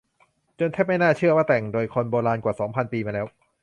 จนแทบไม่น่าเชื่อว่าแต่งโดยคนโบราณกว่าสองพันปีมาแล้ว